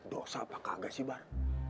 dosa apa kagak sih bar